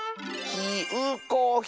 きうこひ！